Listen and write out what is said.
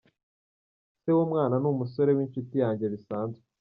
Se w’umwana ni umusore w’inshuti yanjye bisanzwe”.